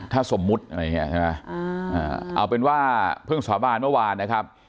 ถ้าสมมุติอะไรอย่างนี้ใช่ไหมเอาเป็นว่าเพิ่งสาบานเมื่อวานนะครับ